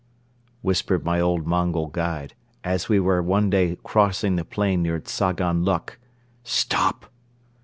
whispered my old Mongol guide, as we were one day crossing the plain near Tzagan Luk. "Stop!"